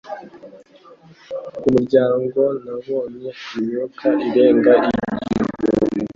Ku muryango nabonye imyuka irenga igihumbi